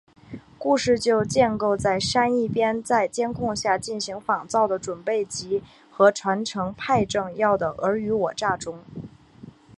故事就建构在珊一边在监控下进行仿造的准备及和传承派政要的尔虞我诈中。